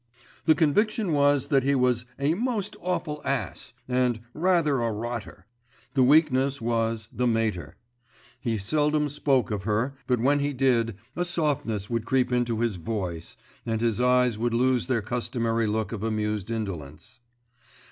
The conviction was that he was "a most awful ass" and "rather a rotter": the weakness was "the Mater." He seldom spoke of her, but when he did a softness would creep into his voice, and his eyes would lose their customary look of amused indolence.